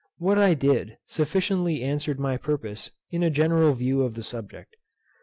What I did sufficiently answered my purpose, in a general view of the subject.